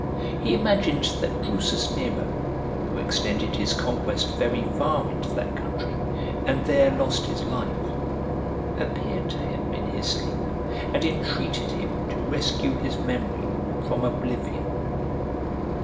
He imagined that Drusus Nero (who extended his conquest very far into that country, and there lost his life) appeared to him in his sleep, and entreated him to rescue his memory from oblivion.